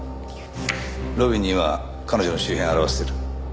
路敏には彼女の周辺を洗わせてる。